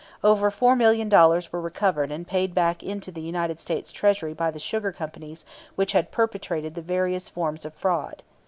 Over four million dollars were recovered and paid back into the United States Treasury by the sugar companies which had perpetrated the various forms of fraud.